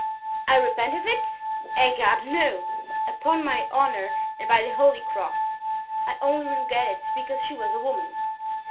I repent of it? Egad! no. Upon my honor and by the holy cross; I only regret it because she was a woman."